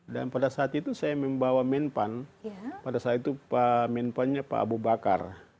dan pada saat itu saya membawa medpan pada saat itu medpannya pak abu bakar